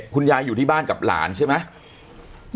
คุณยายอยู่ที่บ้านกับหลานใช่ไหม